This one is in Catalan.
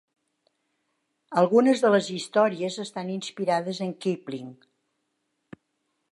Algunes de les històries estan inspirades en Kipling.